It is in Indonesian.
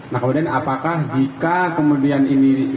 nah kemudian apakah jika kemudian ini